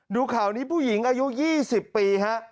ดูข่าวนี้ผู้หญิงอายุ๒๐ปีฮะ